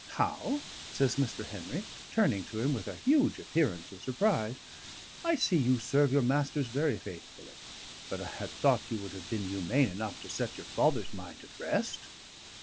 "How?" says Mr. Henry, turning to him with a huge appearance of surprise. "I see you serve your masters very faithfully; but I had thought you would have been humane enough to set your father's mind at rest."